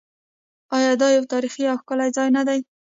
آیا دا یو تاریخي او ښکلی ځای نه دی؟